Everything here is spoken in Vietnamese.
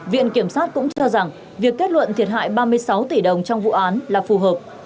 viện kiểm sát cũng cho rằng việc kết luận thiệt hại ba mươi sáu tỷ đồng trong vụ án là phù hợp